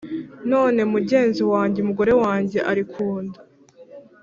none mugenzi wanjye umugore wanjye ari ku nda,